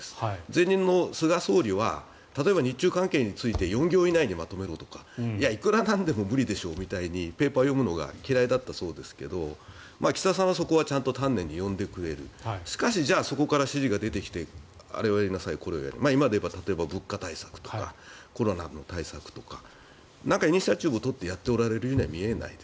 前任の菅総理は例えば、日中関係について４行以内にまとめろとかいや、いくらなんでも無理だろうみたいにペーパーを読むのが嫌いだったそうですが岸田さんはそこは丹念に読んでくれるしかしそこから指示が出てきてあれをやりなさいとか今でいえば物価対策とかコロナ対策とか何かイニシアチブを取ってやっているようには見えない。